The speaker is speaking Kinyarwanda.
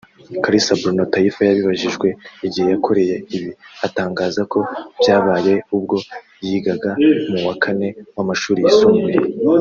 Kalisa Bruno Taifa yabajijwe igihe yakoreye ibi atangaza ko byabaye ubwo yigaga mu wa kane w’amashuri yisumbuye